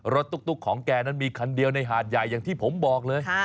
ตุ๊กของแกนั้นมีคันเดียวในหาดใหญ่อย่างที่ผมบอกเลย